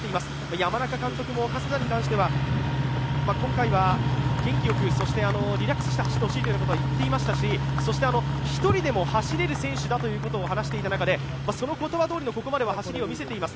山中監督も加世田に関しては、今回は元気よく、そしてリラックスして走ってほしいということを言っていましたし１人でも走れる選手だということを話していた中で、その言葉どおりのここまでは走りを見せています。